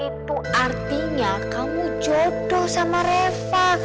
itu artinya kamu jodoh sama reva